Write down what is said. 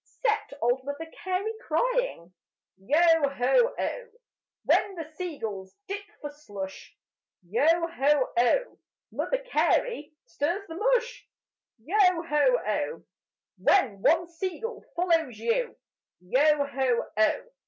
Set old Mother Carey crying: Yo ho oh! When the sea gulls dip for slush, Yo ho oh! Mother Carey stirs the mush: Yo ho oh! When one sea gull follows you, Yo ho oh!